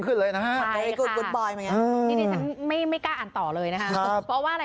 ผมโดนหาว่าเป็นคุณบ้างผมพอลงมาเต็มที่นะขอบคุณภาพพยานร้อย